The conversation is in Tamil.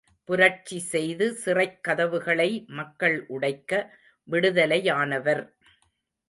புரட்சி செய்து சிறைக் கதவுகளை மக்கள் உடைக்க விடுதலையானவர்.